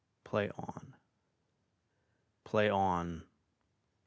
Play on! Play on!